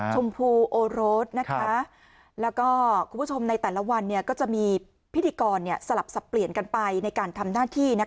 ชมพูโอโรสแล้วก็คุณผู้ชมในแต่ละวันก็จะมีพิธีกรสลับสับเปลี่ยนกันไปในการทำหน้าที่